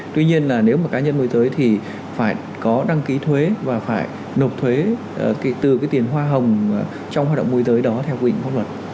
tuy nhiên là nếu mà cá nhân môi giới thì phải có đăng ký thuế và phải nộp thuế kể từ cái tiền hoa hồng trong hoạt động môi giới đó theo quy định pháp luật